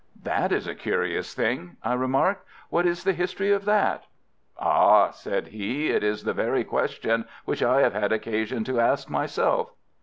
"That is a curious thing," I remarked. "What is the history of that?" "Ah!" said he, "it is the very question which I have had occasion to ask myself.